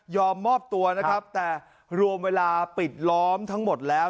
มอบตัวนะครับแต่รวมเวลาปิดล้อมทั้งหมดแล้ว